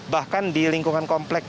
bahkan di lingkungan komplek